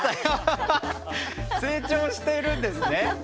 成長しているんですね。